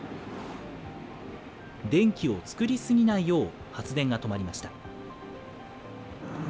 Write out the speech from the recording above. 電気を作り過ぎないよう、発電が止まりました。